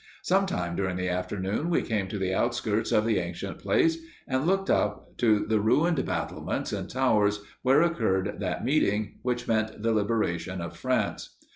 Some time during the afternoon we came to the outskirts of the ancient place, and looked up to the ruined battlements and towers where occurred that meeting which meant the liberation of France.